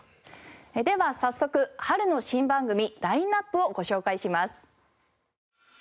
では早速春の新番組ラインアップをご紹介します。